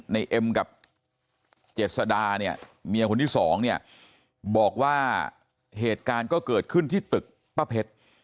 เอ็มกับเจษดาเนี่ยเมียคนที่สองเนี่ยบอกว่าเหตุการณ์ก็เกิดขึ้นที่ตึกป้าเพชร